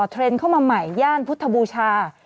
เทรนด์เข้ามาใหม่ย่านพุทธบูชา